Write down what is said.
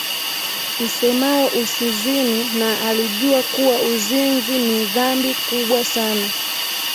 isemayo Usizini na alijua kuwa uzinzi ni dhambi kubwa sana